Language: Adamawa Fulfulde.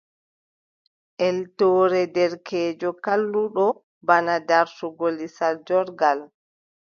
Eltoore derkeejo kalluɗo bana dartungo lisal joorngal.